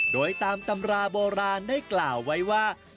โดยตามตำราโบราณได้กล่าวไว้ว่า